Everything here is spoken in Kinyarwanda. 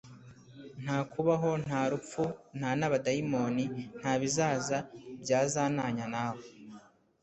Ntakubaho, nta rupfu, nta na badayimoni, ntabizaza, byazantanya nawe